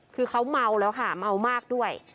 คือเขาเมาแล้วค่ะเมามากด้วย